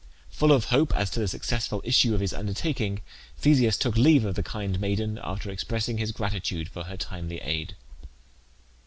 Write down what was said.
Full of hope as to the successful issue of his undertaking, Theseus took leave of the kind maiden, after expressing his gratitude for her timely aid.